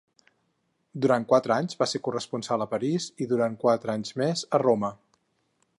Durant quatre anys va ser corresponsal a París i, durant quatre anys més, a Roma.